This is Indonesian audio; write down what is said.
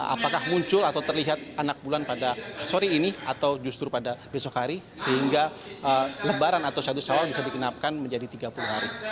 apakah muncul atau terlihat anak bulan pada sore ini atau justru pada besok hari sehingga lebaran atau satu sawal bisa dikenapkan menjadi tiga puluh hari